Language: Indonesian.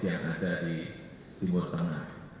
yang ada di timur tengah